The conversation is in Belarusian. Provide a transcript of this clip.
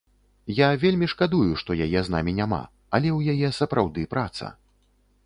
Я вельмі шкадую, што яе з намі няма, але ў яе сапраўды праца.